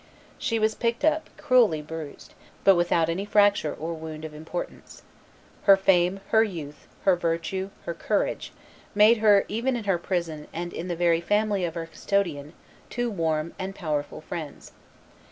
She was picked up cruelly bruised, but without any fracture or wound of importance. Her fame, her youth, her virtue, her courage, made her, even in her prison and in the very family of her custodian, two warm and powerful friends.